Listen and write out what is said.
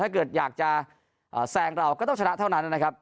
ถ้าเกิดอยากจะแซงเราก็ต้องชนะเท่านั้นนะครับ